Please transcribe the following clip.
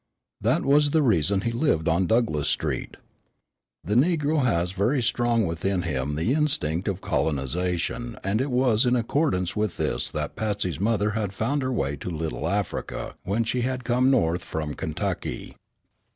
That was the reason he lived on Douglass Street. The negro has very strong within him the instinct of colonization and it was in accordance with this that Patsy's mother had found her way to Little Africa when she had come North from Kentucky.